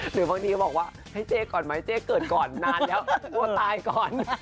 หรือบางทีก็บอกว่าให้เจ๊ก่อนไหมเจ๊เกิดก่อนนานแล้วกลัวตายก่อน